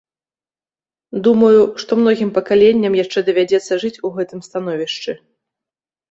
Думаю, што многім пакаленням яшчэ давядзецца жыць у гэтым становішчы.